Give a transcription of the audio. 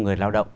người lao động